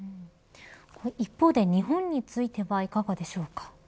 一方で日本についてはいかがでしょうか。